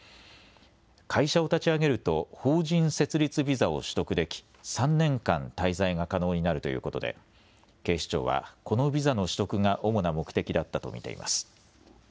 会社を立ち上げると法人設立ビザを取得でき３年間、滞在が可能になるということで警視庁はこのビザの取得が主な目的だったと見ています。